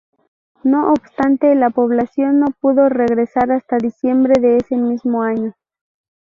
No obstante la población no pudo regresar hasta diciembre de ese mismo año.